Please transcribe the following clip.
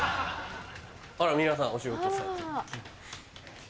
あら皆さんお仕事されて。